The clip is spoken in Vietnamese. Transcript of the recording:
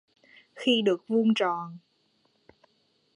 Khi được vuông tròn